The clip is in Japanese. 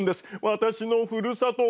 私のふるさと